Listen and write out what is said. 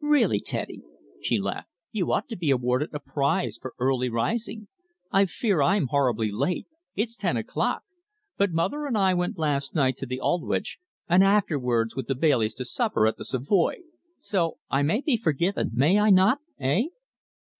"Really, Teddy," she laughed, "you ought to be awarded a prize for early rising. I fear I'm horribly late. It's ten o'clock. But mother and I went last night to the Aldwych, and afterwards with the Baileys to supper at the Savoy. So I may be forgiven, may I not eh?"